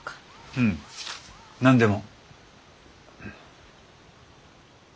うん。何でも。